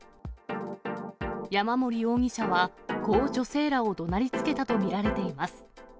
山森容疑者は、こう女性らをどなりつけたと見られています。